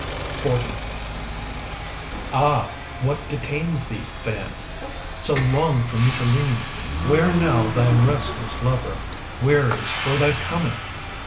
XL Ah, what detains thee, Phaon, So long from Mitylene, Where now thy restless lover Wearies for thy coming?